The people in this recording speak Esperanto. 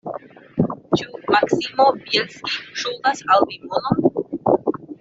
Ĉu Maksimo Bjelski ŝuldas al vi monon?